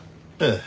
ええ。